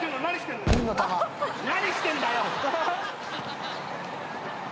何してんだよ！